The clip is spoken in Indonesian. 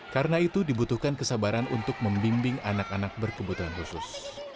karena itu dibutuhkan kesabaran untuk membimbing anak anak berkebutuhan khusus